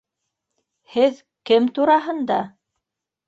Һеҙ... кем тураһында?